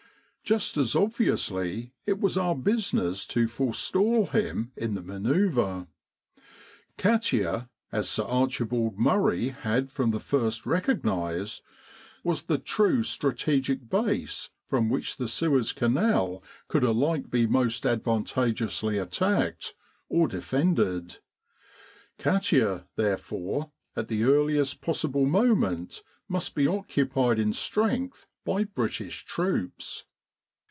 Just as obviously it was our business to forestall him in the manoeuvre. Katia, as Sir A. Murray had from the first recog nised, was the true strategic base from which the Suez Canal could alike be most advantageously attacked or defended. Katia, therefore, at the earliest possible moment must be occupied in strength by British troops.